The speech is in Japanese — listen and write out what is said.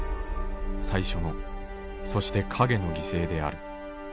最初のそして蔭の犠牲である。